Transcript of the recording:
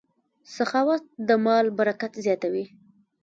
سخاوت د مال برکت زیاتوي.